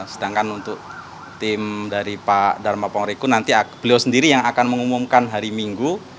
sedangkan untuk tim dari pak dharma pongreku nanti beliau sendiri yang akan mengumumkan hari minggu